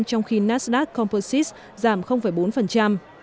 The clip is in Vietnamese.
trong khi nasdaq composite giảm bốn